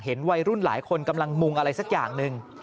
วัยรุ่นหลายคนกำลังมุงอะไรสักอย่างหนึ่ง